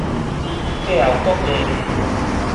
過後個月